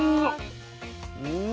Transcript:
うん！